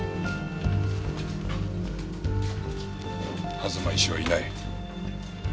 東医師はいない。